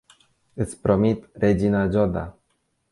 Iti promit, regina Jodha.